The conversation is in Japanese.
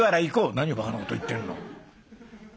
「何をバカなこと言ってんの？」。